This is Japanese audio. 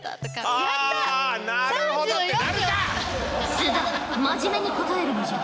須田真面目に答えるのじゃ。